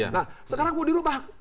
nah sekarang mau dirubah